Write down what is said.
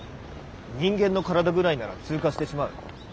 人間の体ぐらいなら通過してしまう。